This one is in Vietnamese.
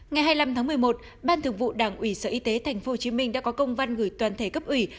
ngày hai mươi năm tháng một mươi một ban thường vụ đảng ủy sở y tế tp hcm đã có công văn gửi toàn thể cấp ủy